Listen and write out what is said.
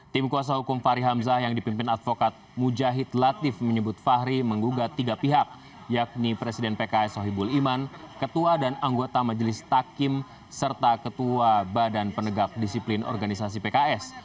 tim kuasa hukum fahri hamzah yang dipimpin advokat mujahid latif menyebut fahri menggugat tiga pihak yakni presiden pks sohibul iman ketua dan anggota majelis takim serta ketua badan penegak disiplin organisasi pks